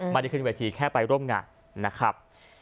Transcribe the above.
ไม่ได้ขึ้นเวทีแค่ไปร่วมงานนะครับ